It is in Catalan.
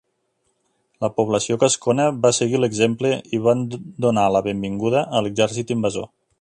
La població gascona va seguir l'exemple i van donar la benvinguda a l'exèrcit invasor.